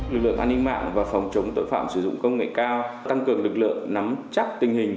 lực lượng an ninh mạng và phòng chống tội phạm sử dụng công nghệ cao tăng cường lực lượng nắm chắc tình hình